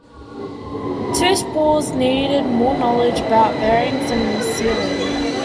Two spools needed more knowledge about bearings and sealing.